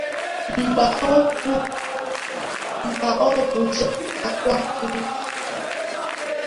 maọbụ zọpụtakwa ndụ.